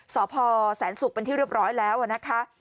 สอบพอร์แสนสุกเป็นที่เรียบร้อยแล้วอะนะคะ